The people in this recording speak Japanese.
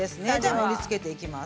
盛りつけていきます。